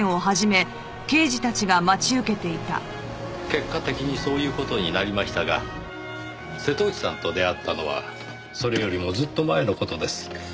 結果的にそういう事になりましたが瀬戸内さんと出会ったのはそれよりもずっと前の事です。